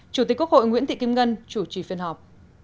chủ tịch quốc hội nguyễn thị kim ngân chủ trì phiên họp